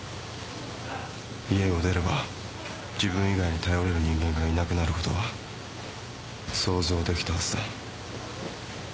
家を出れば自分以外に頼れる人間がいなくなることは想像できたはずだ。